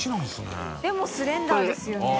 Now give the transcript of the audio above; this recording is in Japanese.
大友）でもスレンダーですよね。